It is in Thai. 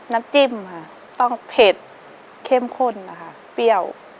น้ำจิ้มค่ะต้องเผ็ดเข้มข้นนะคะเปรี้ยว